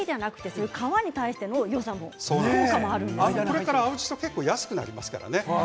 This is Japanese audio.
これから青じそ結構、安くなりますからね。